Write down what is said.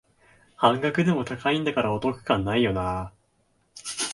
半額でも高いんだからお得感ないよなあ